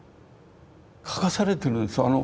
描かされてるんです。